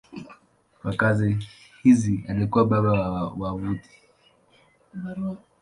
Kwa kazi hizi alikuwa baba wa wavuti.